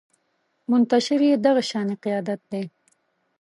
منتشر يې دغه شانې قیادت دی